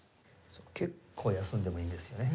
結構休んでもいいんですよね。